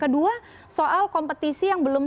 kedua soal kompetisi yang belum